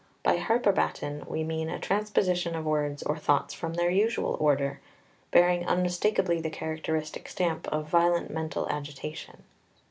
By hyperbaton we mean a transposition of words or thoughts from their usual order, bearing unmistakably the characteristic stamp of violent mental agitation.